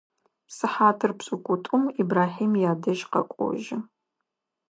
Сыхьатыр пшӏыкӏутӏум Ибрахьим ядэжь къэкӏожьы.